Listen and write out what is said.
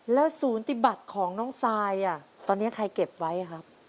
แล้วศูนย์ปฏิบัติของน้องซายตอนนี้ใครเก็บไว้ครับ